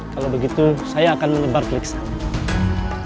kalau begitu saya akan menyebar ke listan